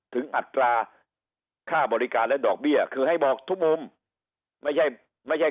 อัตราค่าบริการและดอกเบี้ยคือให้บอกทุกมุมไม่ใช่ไม่ใช่